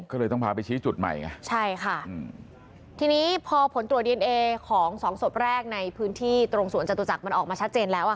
ก็เลยต้องพาไปชี้จุดใหม่ไงใช่ค่ะอืมทีนี้พอผลตรวจดีเอนเอของสองศพแรกในพื้นที่ตรงสวนจตุจักรมันออกมาชัดเจนแล้วอ่ะ